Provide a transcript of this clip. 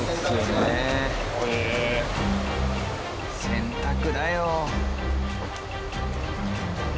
洗濯だよ。